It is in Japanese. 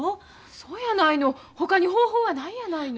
そうやないのほかに方法はないやないの。